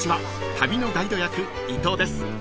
旅のガイド役伊藤です］